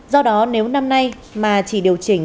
do đó nếu năm nay mà chỉ điều chỉnh